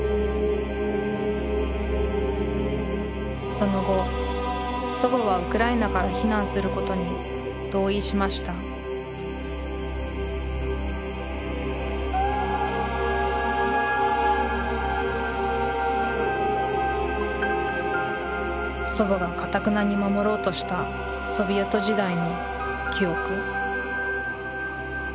その後祖母はウクライナから避難することに同意しました祖母がかたくなに守ろうとしたソビエト時代の「記憶」